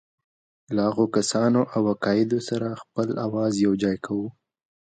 له هغو کسانو او عقایدو سره خپل آواز یوځای کوو.